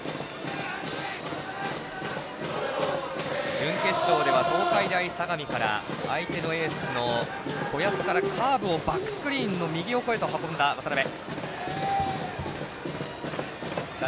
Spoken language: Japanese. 準決勝では東海大相模から相手のエースからカーブをバックスクリーンの右横へと運んだ渡邉。